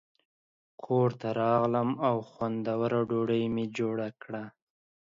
کور ته راغلم او خوندوره ډوډۍ مې جوړه کړه.